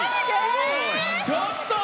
ちょっと！